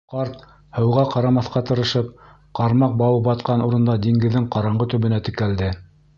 Ҡарт, һыуға ҡарамаҫҡа тырышып, ҡармаҡ бауы батҡан урында диңгеҙҙең ҡараңғы төбөнә текәлде.